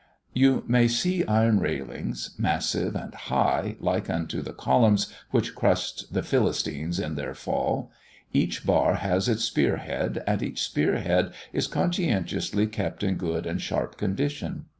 You may see iron railings, massive and high, like unto the columns which crushed the Philistines in their fall; each bar has its spear head, and each spear head is conscientiously kept in good and sharp condition.